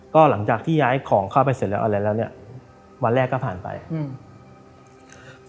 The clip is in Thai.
ก็หลังจากที่ย้ายของเข้าไปเสร็จแล้วอะไรแล้วเนี้ยวันแรกก็ผ่านไปอืม